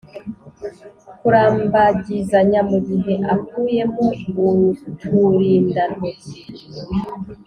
kurambagizanya mugihe akuyemo uturindantoki.